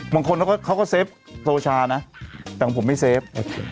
บางคนเขาก็เซฟโซชานะแต่ของผมไม่เซฟ